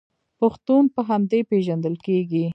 پښتون په همدې پیژندل کیږي.